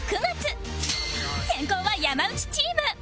先攻は山内チーム